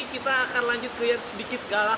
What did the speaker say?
kita akan lanjut lihat sedikit galak